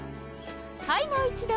はいもう一度。